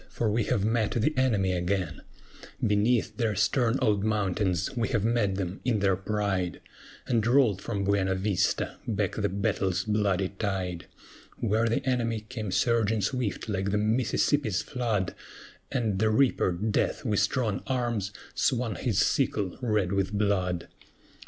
for we have met the enemy again; Beneath their stern old mountains we have met them in their pride, And rolled from BUENA VISTA back the battle's bloody tide; Where the enemy came surging swift, like the Mississippi's flood, And the reaper, Death, with strong arms swung his sickle red with blood.